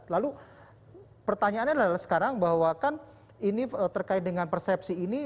lalu pertanyaannya adalah sekarang bahwa kan ini terkait dengan persepsi ini